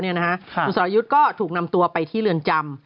คุณสรยุทธ์ก็ถูกนำตัวไปที่เรือนจำ